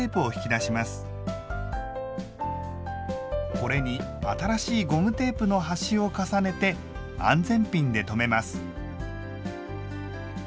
これに新しいゴムテープの端を重ねて安全ピンで留めます。